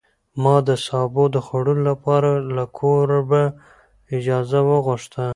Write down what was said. ما د سابو د خوړلو لپاره له کوربه اجازه وغوښته.